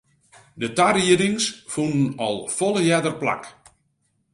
De tariedings fûnen al folle earder plak.